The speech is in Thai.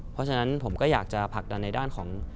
เพราะฉะนั้นผมก็อยากจะผลักดันในด้านของ